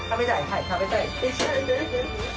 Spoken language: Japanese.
はい食べたいって。